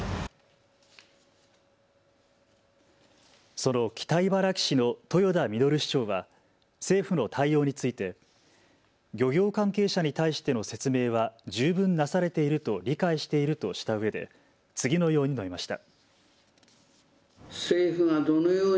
その北茨城市の豊田稔市長は政府の対応について漁業関係者に対しての説明は十分なされていると理解しているとしたうえで次のように述べました。